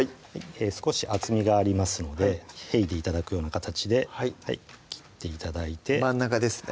少し厚みがありますのでへいで頂くような形で切って頂いて真ん中ですね